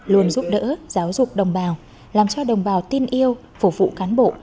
luôn giúp đỡ giáo dục đồng bào làm cho đồng bào tin yêu phục vụ cán bộ